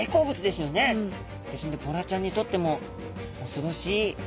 ですんでボラちゃんにとってもおそろしい存在です。